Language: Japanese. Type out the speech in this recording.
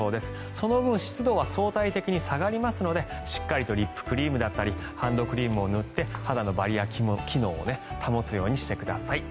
その分、湿度は相対的に下がりますのでしっかりリップクリームやハンドクリームを塗って肌のバリアー機能を保つようにしてください。